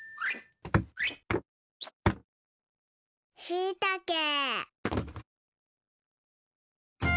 しいたけ。